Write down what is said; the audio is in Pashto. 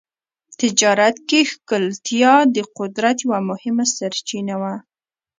تجارت کې ښکېلتیا د قدرت یوه مهمه سرچینه وه.